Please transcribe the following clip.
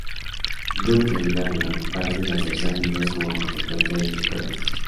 Duke y Damian parecen hacerse amigos como consecuencia de sus pruebas.